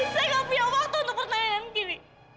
saya gak punya waktu untuk pertanyaan gini